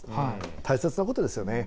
大切なことですよね。